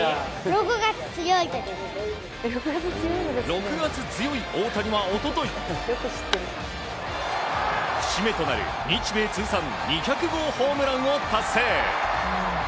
６月強い大谷は一昨日節目となる日米通算２００号ホームランを達成。